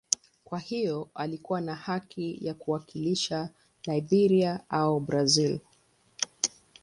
Kwa hiyo alikuwa na haki ya kuwakilisha Liberia au Brazil.